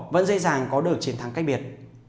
vẫn dễ dàng có được chiến thắng cách biệt